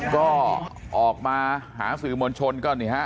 ก็ออกมาหาสื่อมวลชนก็นี่ฮะ